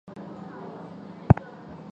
其实是用猜的